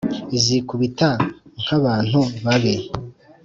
izikubita nk’ abantu babi,